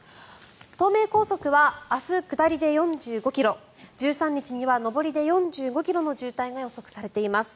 東名高速は明日下りで４５ｋｍ１３日には上りで４５ｋｍの渋滞が予測されています。